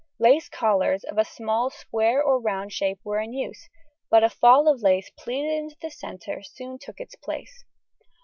Lace collars of a smaller square or rounded shape were in use, but a fall of lace pleated in the centre soon took its place.